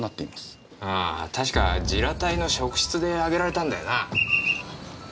ああ確か自ら隊の職質で挙げられたんだよな。